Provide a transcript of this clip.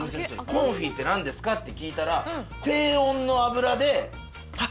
コンフィって何ですか？って聞いたら。